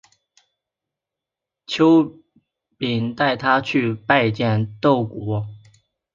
耿秉带他去拜见窦固。